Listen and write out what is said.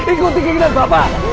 ikuti keinginan bapak